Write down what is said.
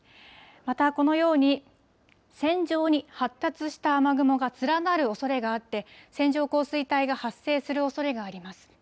また、このように線状に発達した雨雲が連なるおそれがあって、線状降水帯が発生するおそれがあります。